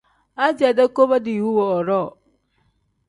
Aziya-dee koba diiwu woodoo.